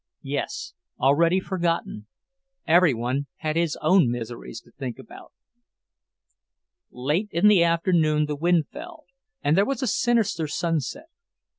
Yes, already forgotten; every one had his own miseries to think about. Late in the afternoon the wind fell, and there was a sinister sunset.